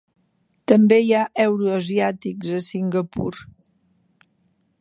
També hi ha euroasiàtics, a Singapur.